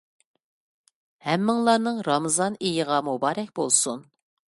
ھەممىڭلارنىڭ رامىزان ئېيىغا مۇبارەك بولسۇن.